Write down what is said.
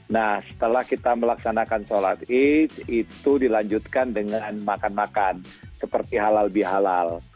nah setelah kita melaksanakan sholat id itu dilanjutkan dengan makan makan seperti halal bihalal